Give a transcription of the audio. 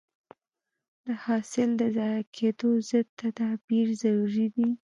د حاصل د ضایع کېدو ضد تدابیر ضروري دي.